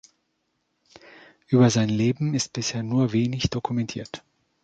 Über sein Leben ist bisher nur wenig dokumentiert.